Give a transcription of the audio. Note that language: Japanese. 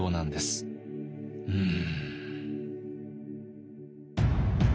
うん。